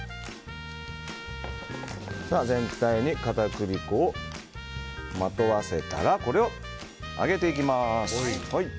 全体に片栗粉をまとわせたらこれを揚げていきます。